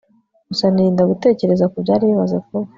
gusa nirinda gutekereza kubyari bimaze kuba